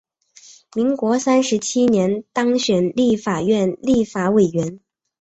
民国三十七年当选立法院立法委员。